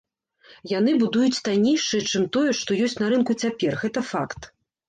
Яны будуць таннейшыя, чым тое, што ёсць на рынку цяпер, гэта факт.